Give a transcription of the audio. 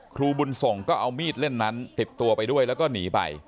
ครูบุญส่งก็เอามีดเล่มนั้นติดตัวไปด้วยแล้วก็หนีไป